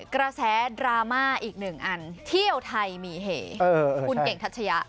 กระแสดราม่าอีกหนึ่งอันเที่ยวไทยมีเหคุณเก่งทัชยะ